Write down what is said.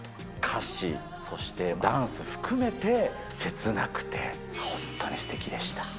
歌詞、そしてダンス含めて、せつなくて、本当にすてきでした。